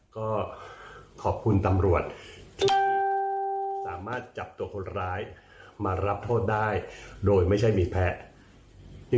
ก็ขอบคุณตำรวจที่สามารถจับตัวคนร้ายมารับโทษได้โดยไม่ใช่มีแพ้